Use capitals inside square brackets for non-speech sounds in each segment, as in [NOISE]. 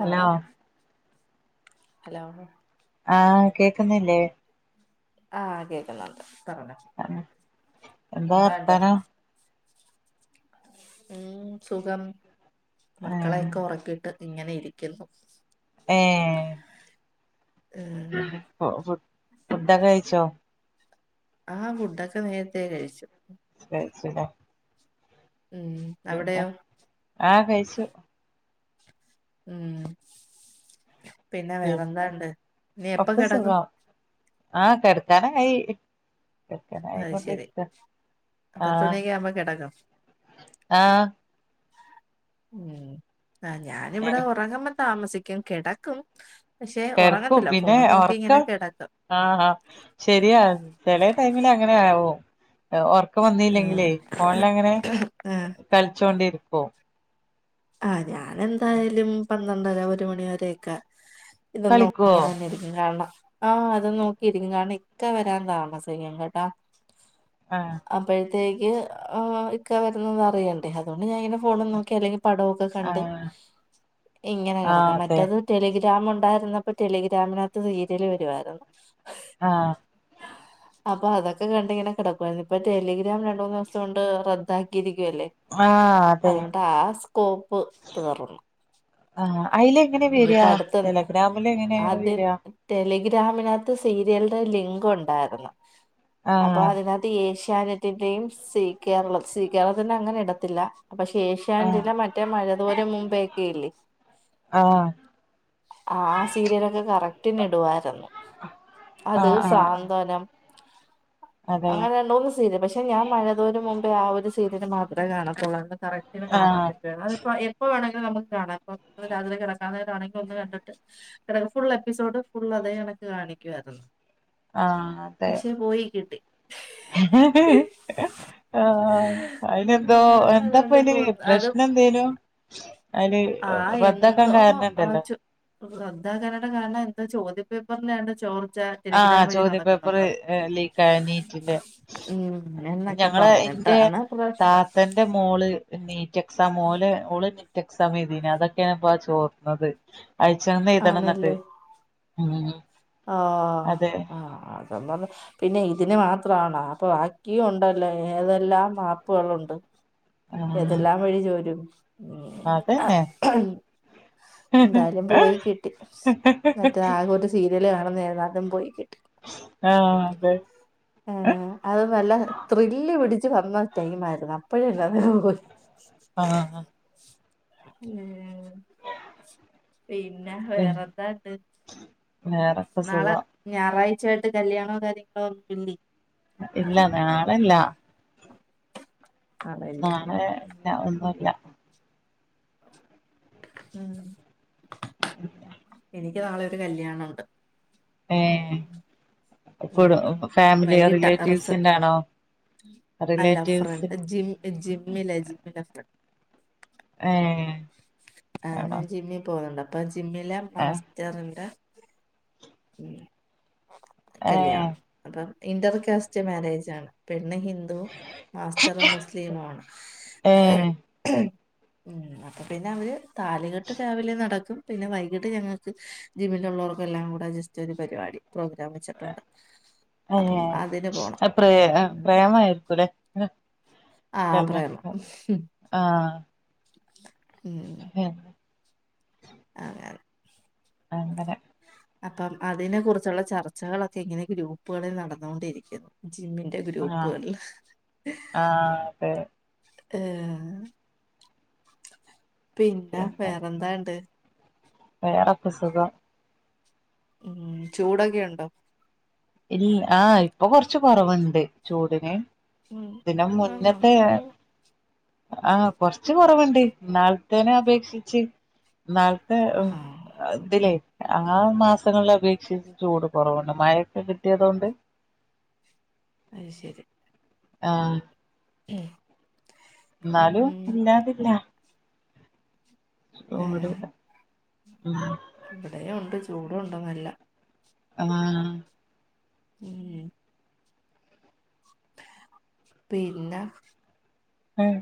Hello hello ആഹ് കേക്കുന്നില്ലേ ആ കേക്കുന്നൊണ്ട്. ഹലോ എന്താ എന്താണ്ട് വർത്താനം ഉം സുഖം ആഹ് മക്കളെയൊക്കെ ഒറക്കീട്ട് ഇങ്ങനെ ഇരിക്കുന്നു. ഏഹ് ഉം [UNINTELLIGIBLE] ഫുഡ്ഡൊക്കെ കഴിച്ചോ? ആ ഫുഡൊക്കെ നേരത്തേ കഴിച്ചു. ശരി ശരിയാ ഉം അവിടെയോ ആഹ് കഴിച്ചു ഉം പിന്നെ വെറന്താണ്ട് ഇനി എപ്പ കിടക്കും ആഹ കെടക്കാനആയി കിടക്കാറയി അത് ശരി കൊണ്ടിരിക്കണ് പത്ത് ആഹ മണിയൊക്കെ ആവുമ്പോ കിടക്കും ആഹ ഉം ആ് ഞാനിവിടെ ഞാനും ഉറങ്ങാൻ താമസിക്കും കിടക്കും പക്ഷെ കിടക്കും ഉറങ്ങത്തില്ല പിന്നെ ഫോണും നോക്കി ഇങ്ങനെ ഉറക്കം കിടക്കും ആഹ ആ ശരിയാ ചില ടൈമിൽ അങ്ങനെ ആകും ഒറക്ക വരു ഒറക്കം ആഹ് വന്നല്ലെങ്കിലേ ഫോണിൽ അങ്ങനെ ആഹ് കളിച്ചോണ്ടിും ഓ ആ ഞൻ എന്തായാലും പന്ത്രണ്ട്ണ്ടരാ ഒരു മണി വരക്കെ ഇതൊന്നും കളിക്കുവോ ഇങ്ങനെ തന്നൊയിരിക്കും കാണണം ആഹ അത നോക്കിയിരിക്കും കാരണം ഇക്ക വരാൻ താമസിക്കും കേട്ടാ ആഹ അപ്പഴത്തെക്ക് ഇക്ക വരുന്നതറിയണ്ടേ അതുകൊണ്ട് ഞാൻ ഇങ്ങനെ ഫോണ നോക്കി അല്ലെങ്ക പടൊക്കെ ആഹ് കണ്ട്ഇങ്ങനെ ആഹ് കിടക്ക അതെ മറ്റതടെലി ഗ്രാമ ഉണ്ടായിരുന്നപ്പോ ടെലിഗ്രാമിനകത്ത് സീരിയല് വരുവായിരുന്നു ആഹ അപ്പൊ അതൊക്കെ കണ്ടിങ്ങെ കിടക്കുവായിരുന്നു ഇപ്പൊ ടെലിഗ്രാം രണ്ട മൂന്ന് ദിവസം കൊണ്ട് റദ്ദാക്കിയിരിക്കും ഇല്ലേ ആഹ് അതെ അതുകൊണ്ട് ആ സൊപ്പ് തീർന്നു ആ പിന്ന പഠിത്തം എങ്ങനെയാണ് അത് വരാ ടെലിഗ്രാമിനകത്ത് സീരിയലന്റെ ലിങ്ക് ഉണ്ടായിരുന്നു ആഹ് അപ്പോഅതിനകത്ത് യേശു - ചാനറ്റിന്റെയും ശ്രീ കേരള ശ്രീകേരളത്തിന്റെ അങ്ങനെ ഇടത്തില്ല അപ്പോ ആഹ് ശേഷ്ന്റലെ മറ്റെമഴ ദോരം മുമ്പേക്കെ ഇല്ലേ ആഹ് ആ ആ സീരയലോക്കെ കറക് പിന്നെ ഇടുവായിരുന്നു അത് ആഹ് ആഹ് ആഹ് സാന്ത്വനം അതെ അങ്ങനെ രണ്ട് മൂന്ന്സീരിയല് പക്ഷെ ഞാൻ മഴതോരും മുമ് അപ്പ ആ ഒരു സീരിയൽ മാത്രമേ കാണത്തൊള്ളാരുന്നു കറക്ടിന് കാണാൻ ആഹ് പറ്റ്വാര്ന്ന് അതെപ്പോ എപ്പോ ആണ് നമ്മുക്ക് കാണാം [UNINTELLIGIBLE] രാവിലെ കിടക്കു [UNINTELLIGIBLE] ഒന്ന് കണ്ടിട്ട് ഫുൾ എപ്പിസോഡ് ഫുൾ അതേ കണക്ക് കാണിക്കുവായിരുന്നു ആഹ് അതെ പക്ഷെ പോയി കിട്ടി ആഹ് അയിനെന്തോ ഉം, എന്താപ്പ അതുകൊണ്ട് അയില് പോന്ന് അത് പ്രശ്നം എന്തേനു അയില് ആ റദ്ദാക്കാൻ എന്തോ കാരണം ആ ഇണ്ടല്ലോ റദ്ദാക്കാനുള്ള കാരണം എന്തോ ചോദ്യം പേപ്പറിൽലാണ്ട ചോർ ആഹ് ചോദ്യ പേപ്പർ ലീക്ക് ആയ നീറ്റിന്റെ ഉം എന്നൊക്കെ ഞങ്ങള് എന്റെ പറഞ്ഞിട്ടാണ് പ്രശ്നം താത്തേന്റെ മോള് നീറ്റ് എക്സാം ഓലെ മോള് എക്സാമെഴ്തീനു അതൊക്കെയാണ്പ്പ ചോർന്നത് അയ്ച്ചന്നെഴുതണം എന്നിട്ട് ആണല്ലേ ആഹ് ആഹ് ആ അതെന്ന്പറ പിന്നെ ഇതിന് മാത്രാണോ അപ്പൊ ബാക്കിയും ഒണ്ടല്ലോ ഏതെല്ലാം മാപ്പുകളൊണ്ട് ആഹ് എതെല്ലാം വഴി ചോരും അതന്നെ എന്തായാലും പോയി കിട്ടി മറ്റേ ആകെ ഒരു സീ കാണുന്ന ഏതാണ്ടും പോയി- ആഹ് അതെ ഏ അത് നല്ല ത്രില്- പിടിച്ച് വന്ന ടൈം ആയിരുന്നു [UNINTELLIGIBLE] ആഹ് [UNINTELLIGIBLE] ഉം പിന്നെ വേറെ എന്തോയുണ്ട് വേറെക്കെ നാളെ സുഖം ഞായറാഴ- ഉച്ചയായിട്ട് കല്യാണോ കാര്യങ്ങളോ- [UNINTELLIGIBLE] നാളെല്ല ഇല്ല ആണല്ലേ നാളെ ല്ല ഒന്നുമില്ല ഉം ഉ എനിക്ക് നാളെ ഒരു കല്യാണമുണ്ട് ആഏ ഉം വൈകീട്ടാ റിസ ആണോ റിലേറ്റീവ്സ് ഏഹ് ആഹ് ആണോ ഞാൻ ജിമ്മി പോവുന്നുണ്ട് അ പഞ്ച് ജിമ്മിലാ ഏഹ് മാസ്റ്ററിന്റെ ഉം ഏഹ് കല്യാണം അപ്പം ഇന്റർകാസ്റ്റ് മാരേജ് ആണ് പെ പെണ്ണ് ഹിന്ദു മാസ്റ്ററ് മുസ്ലിമു ആണ്. ഏഹ് ഉം അപ്പൊ പിന്നെ അവര് താലികെട്ട് രാവിലെ നടക്കും, പിന്നെ വൈകിട്ട് ഞങ്ങൾക്ക് ജിമ്മിലുള്ളവർക്കെല്ലാം കൂടെ ജ സ്റ്റ് ഒരു പരിപാടി അ അപ്പം അതിന് പോണം അ പ്രേ ഉം. പ്രേമായിരിക്കൂല്ലെ ആ പ്രേമം [UNINTELLIGIBLE] ആഹ് ഉം [UNINTELLIGIBLE] അങ്ങനെ അപ്പം അതിനെ കുറിച്ചുള്ള ചർച്ചകളൊക്കെ ഇങ്ങനെ ഗ്രൂപ്പുകളിൽ നടന്നു കൊണ്ടിരിക്കുന്നു. ജിമ്മിന്റെ ആഹ് ഗ്രൂപ്പുകൾല് ആഹ് അതെ ഏഹ് പിന്നെ വേറെന്തോണ്ട് വേറൊക്കെ സുഖം ഉം ചൂടൊക്കെയൊണ്ടോ ആഹ് ഇപ്പൊ കൊറച്ച് കുറവുണ്ട് ചൂടിന് ഉം ഇതിനും ആണോ മുന്നത്തെ ഓ ആഹ് കൊറച്ച് കൊറവുണ്ട് ഇന്നാളത്തേനെ അപേക്ഷിച്ച് ഇന്നാളത്തെ ആഹ് ഇതിലേ ആഹ് മാസങ്ങളിലപേ ചൂട് കുറവുണ്ട് മഴ കിട്ടിയതുകൊണ്ട് അത് ശരി ആഹ് ഉം എന്നാലും ഇല്ലാതില്ല ഓഹ് ഏഹ് വിടട്ടെ ഉം ഇവിടെയും ഉണ്ട് ചൂടു ഉണ്ട് നല്ല ആഹ് ഉം പിന്നെ ഉം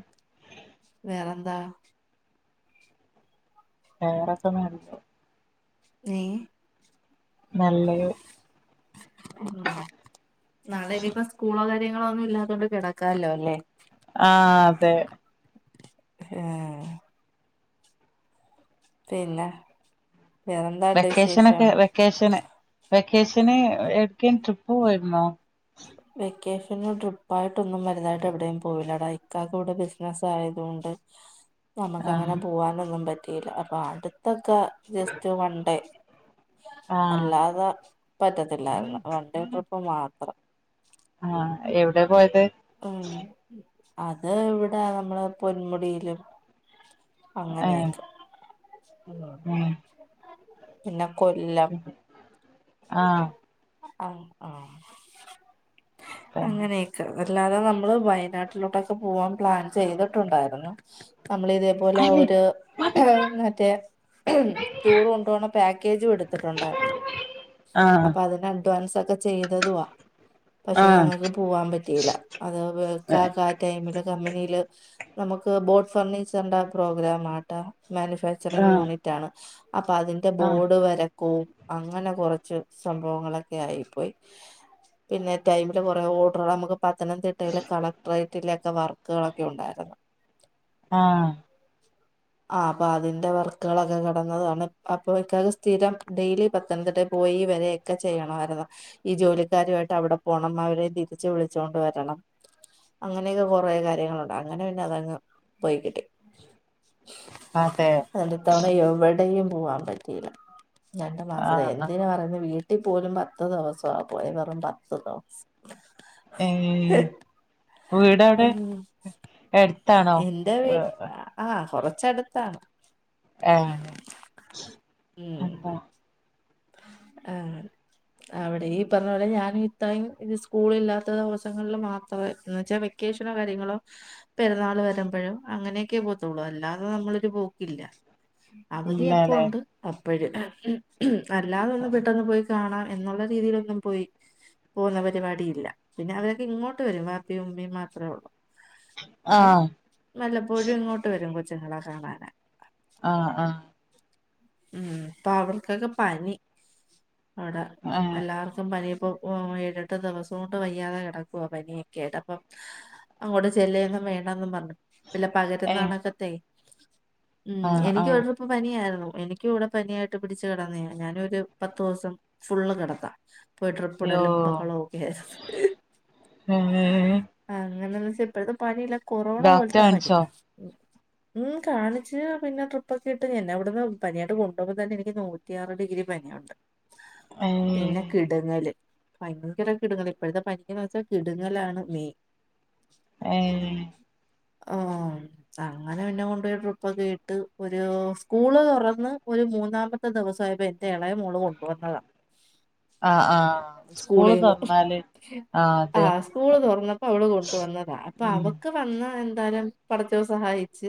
വേറെന്താ വേരൊക്കെ നല്ല ഏഹ് നല്ലത് ഉം നാളെ ഇനിയിപ്പോ സ്കൂളോ കാര് നിങ്ങളൊന്നും ഇല്ലാത കൊണ്ട് കിടക്കാല്ലോ അല്ലേ ആ അതെ ആ പിന്നെ വേറെന്താണ്ട് വിശേഷം വെക്കേഷനൊക്കെ വെക്കേഷന് വെക്കേഷന് എവിടെക്കെ ട്രിപ്പ് പോയിരുന്നോ വെക്കേഷന് ട്രിപ്പായിട്ടൊന്നും വലുതായിട്ട് എവിടെയും പോയില്ലട ഇക്കാക്കവിടെ ബിസിനസ് ആയത് കൊണ്ട് നമുക്ക് അങ്ങനെ ആഹ് പോകാനൊന്നും പ- പറ്റിയില്ല അപ്പൊ അടുത്ത- ക്ക [UNINTELLIGIBLE] ജസ്റ്റ് വൺ ഡേ ആഹ് അല്ലാതെ പറ്റത്തില്ലായിരുന്നു വൺ ഡേ ട്രിപ്പ് മാത്രം ആ എവിടെ പോയത് ഉം അത് ഇവിടെ നമ്മള് പൊന്മുടിയിലും ഏഹ് അങ്ങനെയൊക്കെ ഉം പിന്നെ കൊല്ലം ആ ആ ആ തന്നെ അങ്ങനെയൊക്കെ അതല്ലാതെ നമ്മള് വയനാട്ടിലോട്ടൊക്കെ പോവാൻ പ്ലാൻ ചെയ്തിട്ടുണ്ടായിരുന്നു നമ്മള് ഇതേപോലെ ഒരു മറ്റേ ടൂർ കൊണ്ടപോണം പാക്ക് കേജ് കൊട്ത്ത്ട്ടൊണ്ടാരുന്നു ആഹ് അപ്പ അതിന അഡ്വാൻസ് അക്ക ചെയ്തതുവാ പക്ഷെ ആഹ് ഞങ്ങക്ക് പുവാം പറ്റി ഇല്ല അത് ആ വേക്കാ ഏഹ് കാ ടൈമില് കമ്പനീല് നമുക്ക് ബോട്ട് ഫർണിച്ചറിന്റെ പ്രോഗ്രാം ആട്ടാ മാനുഫാക്ചറിങ്ങ് ആഹ് യൂണിറ്റ് ആണ് അപ്പ അതിന്റെ ആഹ് ബോഡ് വര കോം അങ്ങന കൊറച്ച് സംഭവങ്ങളക്കെ ആയി പോയി. പിന്നെ ടൈമില് കൊറേ ഓഡററ് നമ്മക്ക് പത്തനംതിട്ടയിലെ കളക്ടറേറ്റ് തിയേറ്റിലക്ക വർക്ക്കളൊക്കെ ഒണ്ടായിരുന്നു ആഹ് ആഹ് അപ്പൊ അതിന്റെ വർക്കുകളൊക്കെ കെടന്നതാണ് അപ്പൊ ഇക്കാക്ക് സ്ഥിരം ഡെയിലി പത്തനംതിട്ടേ പോയി വരെ എക്ക ചെയ്യണമായിരുന്നു. ഈ ജോലിക്കാരുആട്ട് അവിട പോണം അവരെ തിരിച്ച് വിളി വിളിച്ചോണ്ട് വരണം അങ്ങനേക്കെ കൊറേ കാര്യങ്ങളുണ്ട്. അങ്ങന പിന്നെ അതങ്ങ് പോയ്കിട്ടി അതെ അട്ത്തവണ എവിടെയും പുവാൻ പറ്റിയില്ല രണ്ടു മാസത്തെ ആഹ് ആഹ് എന്തിനു പറഞ്ഞു വീ പോലും പത്തു ദെവസാ പോയ കാരണം പത്ത് ദെവ്സം ഏഹ് വീടെവിടെ ഉം ഏഹ് എന്റെ വീട്ട് ആഹ് കൊറ ഇവിടെ അടുത്ത ആഹ് അ ഉം ആഹ് അവിടെ ഈ പറഞ്ഞ പോലെ ഞാനും ഇത്രയും ഇത് സ്കൂളില്ലാത്ത ദെവസങ്ങളിലും മാത്രേ എന്ന്ച്ചാ വെക്കേഷനോ കാര്യങ്ങളോ പെരുന്നാള് വരമ്പഴോ അങ്ങനേക്കെ പോവത്തുള്ളൂ അല്ലാത നമ്മളൊരു പോക്കില്ല. അവധി എപ്പൊ ഇല്ലല്ലേ ഒണ്ട് പര് ആഹ് മ് അല്ലാത ഒന്ന് പെട്ടന്ന് പോയ് കാണാം എന്നൊള്ള രീതിയിലൊന്നും പോയി പോക്ന്ന മറ്റേ പടി ഇല്ല പിന്നെ അവരൊക്കെ ഇങ്ങോട്ട് വരും വാപ്പയും ഉമ്മയും മാത്രമേ ഒള്ളൂ അപ്പം ആഹ് വല്ലപ്പോഴും ഇങ്ങോട്ട് വരും [UNINTELLIGIBLE] ച്ച്ങ്ങളെ കാണാനാ ആഹ് ആഹ് ഉം പ്പ അവർക്കൊക്ക പനി അവ്ട ആഹ് എല്ലാർക്കും പനിയും ഇപ്പ പോവാൻ വയ്യ ഏഴെട്ട് ദെവസം കൊണ്ട് വയ്യാതെ കെടക്കുവ പനിയൊക്കെ ആയിട്ട് അപ്പം അങ്ങോട്ട് ചെല്ലേന്നും വേണ്ടാന്നും പറഞ്ഞ് പില്ലെ ഏഹ് പകരുന്നാണക്കത്തെ ഉം ആഹ് എനിക്ക് ആഹ് ഒരു ഡ്രിപ് പനിയായിരുന്നു എനിക്ക ഇവിടെ പനിയായിട്ട് പിടിച്ചു കിന്നതാണ് ഞാനൊരു പത്തു ദിവസം ഫുള്ള് കിടത്താം യ്യോ പോയിട്ട്രിപ്പ്ടല്ലും ബഹള ഒക്കെ ഏഹ് അങ്ങനെ സിപ്പ പണ ല [UNINTELLIGIBLE] കൊറോണ ഡോക്ടറെ പോലത്തെ പനി കാണിച്ചോ ഉം കാണിച്ച് പിന്നെ ട്രിപ്പ് ഒക്കെ ഇട്ട് എന്നെ അവിട്ന്ന് പനിയാട്ട് കൊണ്ടോ ഹ്മ്പൊ തന്നെ എനിക്ക് നോക് റ്റിയാറ് ഡിഗ്രി പനിയുണ്ട് പിന്നെ ഏഹ് കിട്ങ്ങല് ഭയങ്കര കിട്ങ്ങൾ ഇപ്പഴത്തെ പനിക്കെന്ന് വെച്ചാ കിട്ങ്ങലാണ് യെ ഏഹ് ആഹ് അങ്ങനെ ഇന്നെ കൊണ്ടേയ് ട്രിപ്പൊക്കെ ഇട്ട് ഒരു സ്കൂള് തൊറന്ന് ഒരു മൂന്നാമത ത്തെ ദിവസമായപ്പൊ എന്റെ എളേ മോള് കൊണ്ടുവന്നതാ ആഹ് ആഹ് സ്കൂള് സ്കൂളീന്ന് തൊറന്നാല് ആഹ് സ്കൂള് തൊറന്നപ്പൊ അവള് കൊണ്ടുവന്നതാ അപ്പൊ ഉം അവക്ക് വന്ന എന്ത് ലം പഠിച്ചോസം വായിച്ച്‌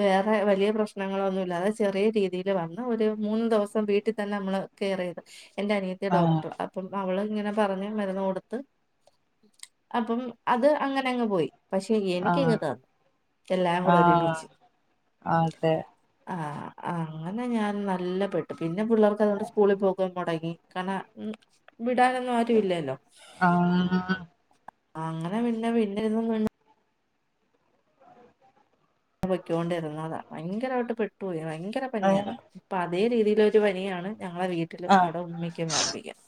വേറെ വലിയ പ്രശ്നങ്ങളൊന്നു ഇല്ലാതെ ചെറിയ രീതിയില് വന്ന് ഒരു മൂന്നു ദെവസം വീട്ടി തന്നെ നമ്മള്കേറിയത് എൻ്റെ അനിയത്തി ആഹ് ഡോക്ടർ അപ്പം അവള് ഇങ്ങനെ പറഞ്ഞ് മരുന്ന് കൊടുത്ത് അപ്പം അത് അങ്ങനെ അങ്ങ് പോയി പക്ഷെ ആഹ് എനിക്കിങ്ങെ ത എല്ലാം കൂടെ ആഹ് ഒരുമിച്ച് അതെ ആഹ് ആങ്ങനെ ഞാൻ നല്ല പെട്ട് പിൻ പിന്നെ പിള്ളേർക്ക് അതൊണ്ട് സ്കൂളി പോകു മൊടങ്ങി കണ ഉം വിടാനൊന്നും ആരു ഇല്ലല്ലോ ആഹ് അങ്ങനെ പിന്ന പിന്നെ ഇതും കൊ പൊയ്ക്കോണ്ടിരുന്നതാ ഭയങ്കരമായിട്ട് പെട്ടോയി ഭയങ്കര ഏഹ് പനിയാരുന്നു ഇപ്പ അതേ രീതിയിലൊരു പനിയാണ് ഞങ്ങളെ വീട്ടിലും ആഹ് അവിടെ ഉള്ളിക്കും വാപ്പിക്കാം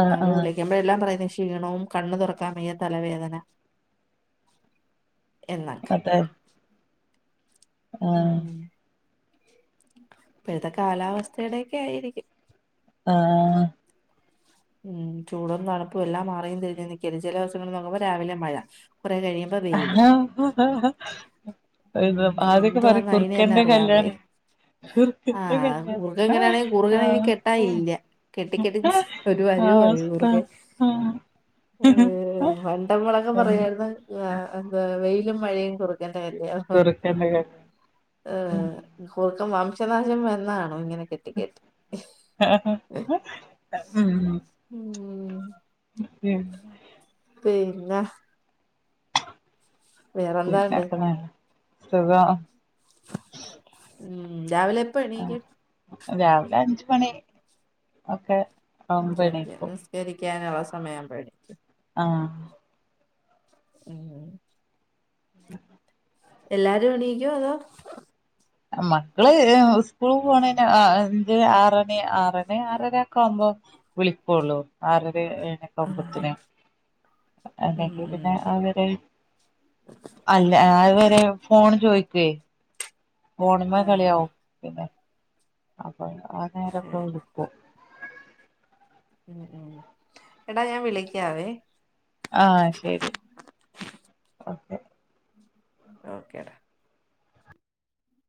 ആഹ് അവ്ട ആഹ് വിളിക്കുമ്പോ എല്ലാം പറയുന്നത് ക്ഷീണവും കണ്ണു തുറക്കാൻ വയ്യ തലവേദന എന്നൊക്ക അതെ ഉം ആഹ് ഉം ഇപ്പോഴത്തെ കാലാവസ്ഥയുടെയൊക്കെ ആയിരിക്കും ആഹ് ഉം ചൂടൊന്നും തണുപ്പും എല്ലാം മാറിയും തിരിഞ്ഞും നൽക്കുവല്ലേ ചില ദിവസങ്ങ നോക്കുമ്പോ രാവിലെ മഴ കുറെ കഴിയുമ്പോ വെയില് ആ ഉം ആദ്യൊക്കെ എന്തുവാന്ന് അയിന് തന്നെ പറിംകുറുക്കന്റെ അറിയാൻ കല്യാണ വയ്യ കുറുക്കന്റെ ആഹ് കല്യാണം കുറുക്കൻ ഇങ്ങനാണെങ്കി ആ കുറുക്കനെ ഇനി കെട്ടാനില്ല കെട്ടി കെട്ടി ഒരു വരിവ്‌ വരും കുറക്കൻ ഏ പണ്ടമ്മളൊക്കെ പറയാരുന്നു ആ എന്താ വെയിലും മഴയും കുറ ക്കെൻ്റെ കല്യാണം ചെറുക്കന്റെ ഏ കുറുക്കൻ വ ശനാശം വന്നാണോ ഇങ്ങനെ കെട്ടിക്കെട്ടി ഉം ഉം ഉം ഉം പിന്നെ വേറെന്താണ്ട് പിന്നെപ്ന സുഖം ഉം രാവിലെ എപ്പ എണീക്കു പണി ഒക്കെ ആവുമ്പോ [UNINTELLIGIBLE] എണീക്കും നിസ്കരിക്കാന അവ സമയം മ്പ നീ ആഹ ഉം [UNINTELLIGIBLE] എല്ലാരും എണീക്കോ അതോ മക്കള് സ്കൂൾ പോണ അഞ്ച് ആറണി ആറണി ആറര ഒക്കെ ആവുമ്പോ വിളിക്കുള്ളു ആ ആ മ്പത്തിനെ ഉം അല്ലെങ്കിൽ ഉം പിന്നെ അവരെ അല്ല അവരെ ഫോൺ ചോദ കെ ഫോണ്മ്മ ആഹ് കളിയാവുംപിന്നെ ആ ആ നേരൊക്ക ടു ക്കും ഉം ഉം എടാ ഞാൻ വിളിക്കാവേ ആഹ ശരി ഓകെ ഓക്കേടാ